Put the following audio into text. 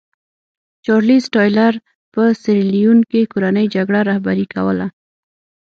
چارلېز ټایلر په سیریلیون کې کورنۍ جګړه رهبري کوله.